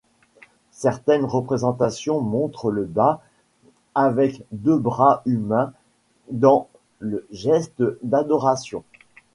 Certaines représentations montrent le Ba avec deux bras humains dans le geste d'adoration.